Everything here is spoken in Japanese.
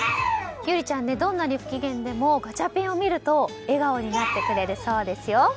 侑里ちゃんはどんなに不機嫌でもガチャピンを見ると笑顔になってくれるそうですよ。